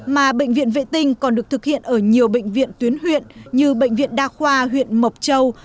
mà bệnh viện vệ tinh còn được thực hiện ở nhiều bệnh viện tuyến huyện như bệnh viện đa khoa huyện mộc châu